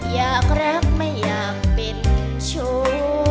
อยากรักไม่อยากเป็นชู